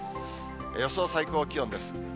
予想最高気温です。